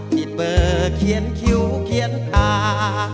ที่เบอร์เขียนคิวเขียนตา